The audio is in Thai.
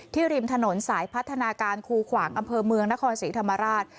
ริมถนนสายพัฒนาการคูขวางอำเภอเมืองนครศรีธรรมราช